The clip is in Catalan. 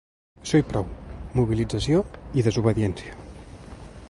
Això i prou: mobilització i desobediència.